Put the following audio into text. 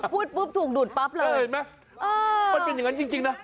พูดปุ๊บถูกดูดปั๊บเลยเออเห็นไหมมันเป็นอย่างนั้นจริงนะ